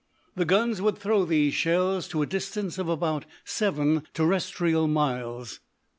The guns would throw these shells to a distance of about seven terrestrial miles.